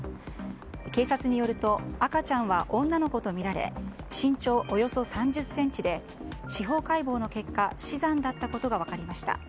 警察によると、赤ちゃんは女の子とみられ身長およそ３０ｃｍで司法解剖の結果死産だったことが分かりました。